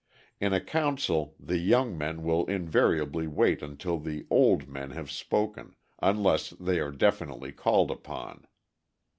In a council the young men will invariably wait until the old men have spoken, unless they are definitely called upon.